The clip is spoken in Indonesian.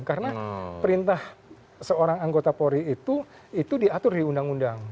karena perintah seorang anggota polri itu itu diatur di undang undang